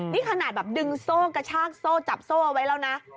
นี่ขนาดแบบดึงโซ่กระชากโซ่จับโซ่เอาไว้แล้วนะ